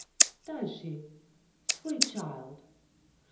"Does she? Sweet child!